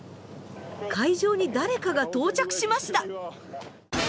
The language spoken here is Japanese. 会場に誰かが到着しました。